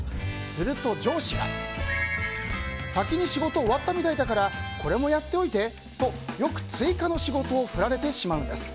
すると、上司が先に仕事終わったみたいだからこれもやっておいて！とよく追加の仕事を振られてしまうんです。